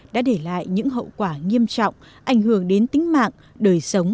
đã để lại những hậu quả nghiêm trọng ảnh hưởng đến tính mạng đời sống